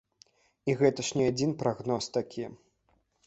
І гэта ж не адзін прагноз такі!